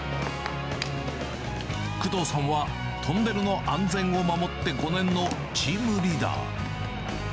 工藤さんはトンネルの安全を守って５年のチームリーダー。